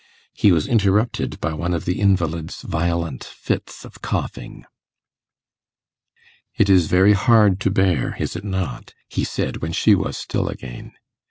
He was interrupted by one of the invalid's violent fits of coughing. 'It is very hard to bear, is it not?' he said when she was still again.